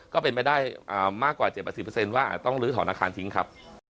ก็เป็นไปได้มากกว่า๗๐ว่าอาจต้องลื้อถอนอาคารทิ้งครับ